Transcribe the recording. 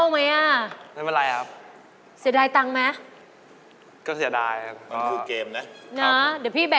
เมอรี่ถูกสุดเลย